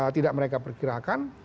tidak mereka perkirakan